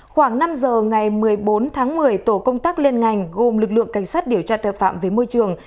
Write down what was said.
khoảng năm giờ ngày một mươi bốn tháng một mươi tổ công tác liên ngành gồm lực lượng cảnh sát điều tra tội phạm về môi trường